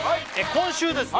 今週ですね